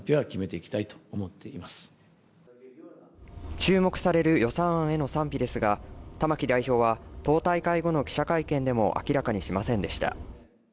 注目される予算案への賛否ですが、玉木代表は党大会後の記者会見でも明らかにしませんでした。